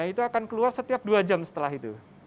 itu akan keluar setiap dua jam setelah itu